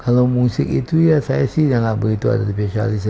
kalau musik itu ya saya sih nggak begitu ada spesialis